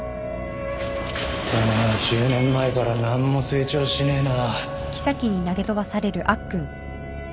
てめえは１０年前から何も成長しねえな